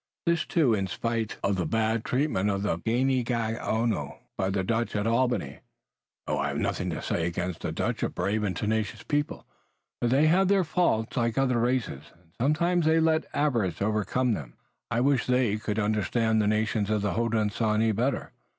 This, too, in spite of the bad treatment of the Ganeagaono by the Dutch at Albany. O, I have nothing to say against the Dutch, a brave and tenacious people, but they have their faults, like other races, and sometimes they let avarice overcome them! I wish they could understand the nations of the Hodenosaunee better.